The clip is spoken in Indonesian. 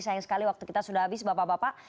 sayang sekali waktu kita sudah habis bapak bapak